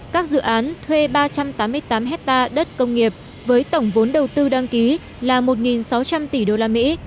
các dự án thuê ba trăm tám mươi tám hectare đất công nghiệp với tổng vốn đầu tư đăng ký là một sáu trăm linh tỷ đô la mỹ